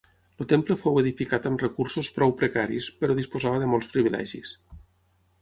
El temple fou edificat amb recursos prou precaris, però disposava de molts privilegis.